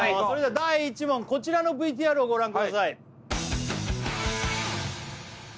第１問こちらのＶＴＲをご覧ください